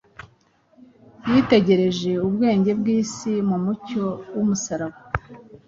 Yitegereje ubwenge bw’isi mu mucyo w’umusaraba,